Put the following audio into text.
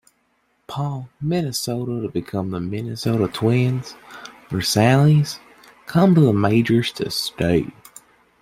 Paul, Minnesota to become the Minnesota Twins, Versalles came to the majors to stay.